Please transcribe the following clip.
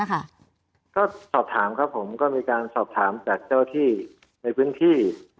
ก็สอบถามครับผมก็มีการสอบถามจากเจ้าที่ในพื้นที่